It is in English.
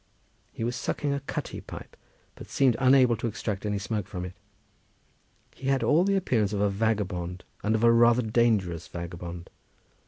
He was sucking a cutty pipe, but seemed unable to extract any smoke from it. He had all the appearance of a vagabond, and of a rather dangerous vagabond.